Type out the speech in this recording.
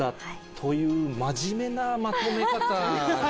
という真面目なまとめ方に。